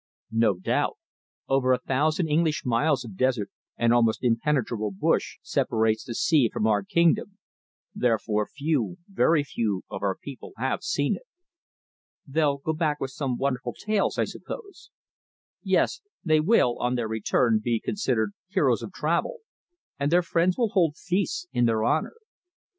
"No doubt. Over a thousand English miles of desert and almost impenetrable bush separates the sea from our kingdom, therefore few, very few of our people have seen it." "They'll go back with some wonderful tales, I suppose." "Yes. They will, on their return, be considered heroes of travel, and their friends will hold feasts in their honour."